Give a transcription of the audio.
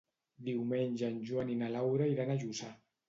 Diumenge en Joan i na Laura iran a Lluçà.